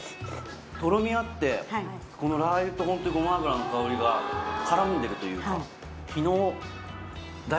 とろみあってこのラー油とホントにごま油の香りが絡んでるというか。